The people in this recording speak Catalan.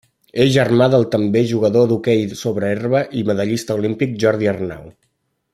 És germà del també jugador d'hoquei sobre herba i medallista olímpic Jordi Arnau.